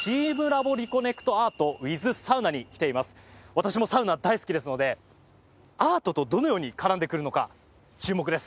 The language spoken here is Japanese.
私もサウナ大好きですのでアートとどのように絡んでくるのか注目です。